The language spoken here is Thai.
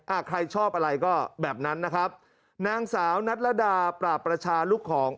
อ่ะใครชอบอะไรก็แบบนั้นนะครับนางสาวนัทรดาปราบประชาลูกของ